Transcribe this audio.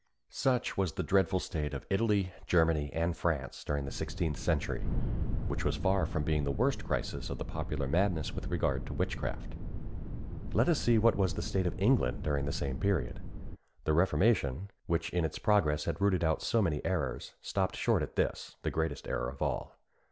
Such was the dreadful state of Italy, Germany, and France during the sixteenth century, which was far from being the worst crisis of the popular madness with regard to witchcraft. Let us see what was the state of England during the same period. The Reformation, which in its progress had rooted out so many errors, stopped short at this, the greatest error of all.